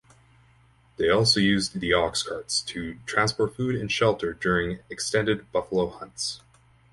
They also used the ox-carts to transport food and shelter during extended buffalo hunts.